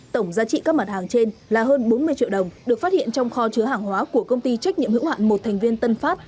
tổng giá trị các mặt hàng trên là hơn bốn mươi triệu đồng được phát hiện trong kho chứa hàng hóa của công ty trách nhiệm hữu hạn một thành viên tân phát